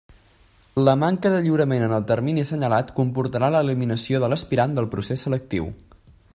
La manca de lliurament en el termini assenyalat comportarà l'eliminació de l'aspirant del procés selectiu.